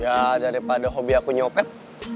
ya daripada hobi aku nyopet